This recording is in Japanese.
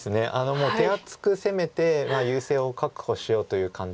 もう手厚く攻めて優勢を確保しようという感じで。